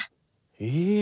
え